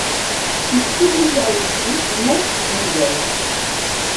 Il publia aussi neuf nouvelles.